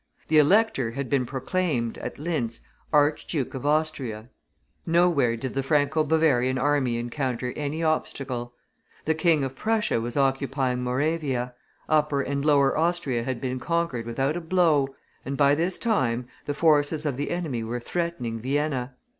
The elector had been proclaimed, at Lintz, Archduke of Austria nowhere did the Franco Bavarian army encounter any obstacle. The King of Prussia was occupying Moravia; Upper and Lower Austria had been conquered without a blow, and by this time the forces of the enemy were threatening Vienna.